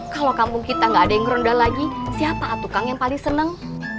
kalau kampung kita gak ada yang ngeronda lagi siapa atuh kang yang paling seneng